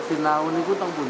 sinau ini ada di rumah kendeng